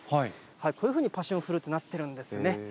こういうふうにパッションフルーツなってるんですね。